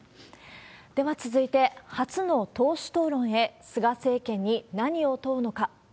では続いて、初の党首討論へ、菅政権に何を問うのか。